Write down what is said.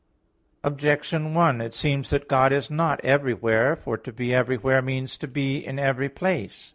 Objection 1: It seems that God is not everywhere. For to be everywhere means to be in every place.